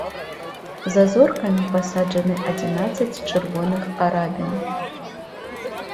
За зоркамі пасаджаны адзінаццаць чырвоных арабін.